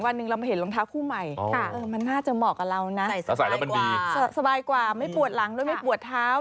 แล้วเราก็ทนกับมันมานาน